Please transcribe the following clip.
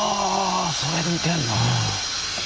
それで見てんの。